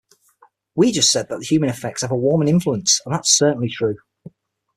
We just said that human effects have a warming influence, and that's certainly true.